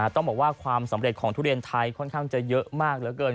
ต้องบอกว่าความสำเร็จของทุเรียนไทยค่อนข้างจะเยอะมากเหลือเกิน